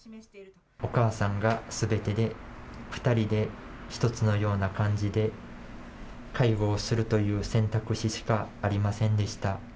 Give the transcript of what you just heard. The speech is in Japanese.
お母さんがすべてで、２人で１つのような感じで、介護をするという選択肢しかありませんでした。